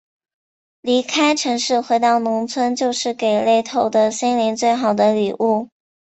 离开城市，回到农村，就是给累透的心灵最好的礼物。